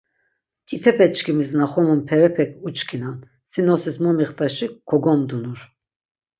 Ǩitepe çkimis na xomun perepek uçkinan, si nosis momixtaşi kogomdunur.